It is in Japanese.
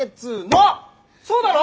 そうだろ？